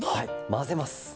まぜます。